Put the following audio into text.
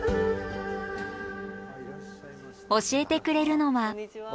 教えてくれるのは。